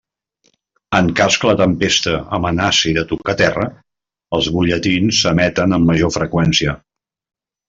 En cas que la tempesta amenaci de tocar terra, els butlletins s'emeten amb major freqüència.